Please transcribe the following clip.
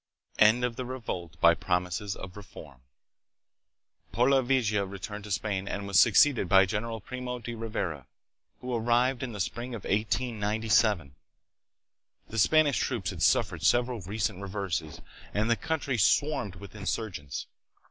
End of the Revolt by Promises of Reform. Pola vieja returned to Spain, and was succeeded by Gen. Primo de Rivera, who arrived in the spring of 1897. The Spanish troops had suffered several recent reverses and the country swarmed with insurgents.